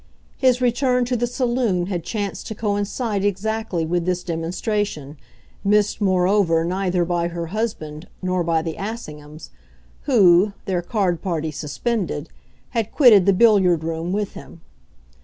His return to the saloon had chanced to coincide exactly with this demonstration, missed moreover neither by her husband nor by the Assinghams, who, their card party suspended, had quitted the billiard room with him.